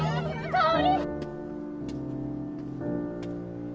香織！